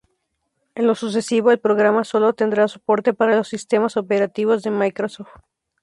En lo sucesivo, el programa sólo tendrá soporte para los Sistemas Operativos de Microsoft.